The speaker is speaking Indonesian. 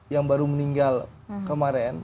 yang baru meninggal kemarin